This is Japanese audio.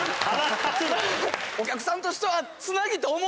お客さんとしてはつなぎと思ってね。